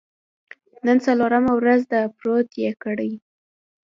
نن څلورمه ورځ ده، پروت یې کړی.